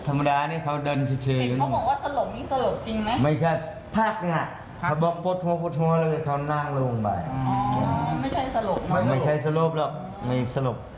ไม่ใช่สลบหรอกไม่สลบ